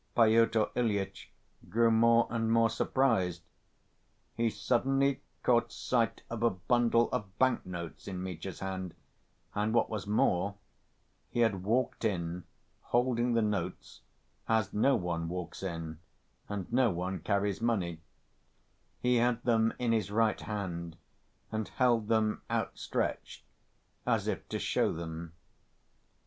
Pyotr Ilyitch grew more and more surprised; he suddenly caught sight of a bundle of bank‐notes in Mitya's hand, and what was more, he had walked in holding the notes as no one walks in and no one carries money: he had them in his right hand, and held them outstretched as if to show them.